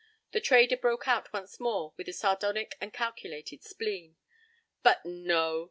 —The trader broke out once more with a sardonic and calculated spleen: "But, no!